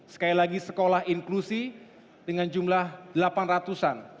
sekali lagi sekolah inklusi dengan jumlah delapan ratusan